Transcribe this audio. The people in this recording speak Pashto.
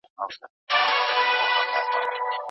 دا احساس هم د تقدیر برخه ده.